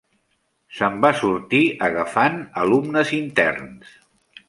Se'n van sortir agafant alumnes interns.